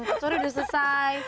pemaksa udah selesai